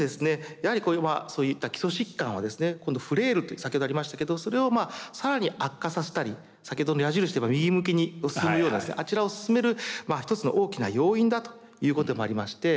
やはりこれはそういった基礎疾患はですね今度フレイルと先ほどありましたけどそれを更に悪化させたり先ほどの矢印では右向きに進むようなあちらを進める一つの大きな要因だということでもありまして。